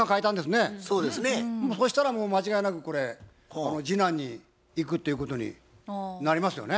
そしたらもう間違いなくこれ次男に行くっていうことになりますよね。